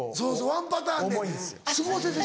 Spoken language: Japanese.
ワンパターンで過ごせてしまう。